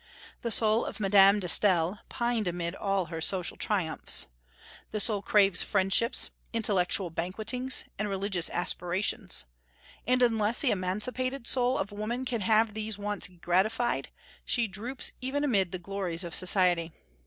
The soul of Madame de Staël pined amid all her social triumphs. The soul craves friendships, intellectual banquetings, and religious aspirations. And unless the emancipated soul of woman can have these wants gratified, she droops even amid the glories of society.